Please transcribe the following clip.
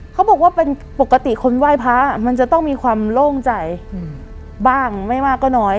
เขาบอกว่าเป็นปกติคนไหว้พระมันจะต้องมีความโล่งใจบ้างไม่มากก็น้อย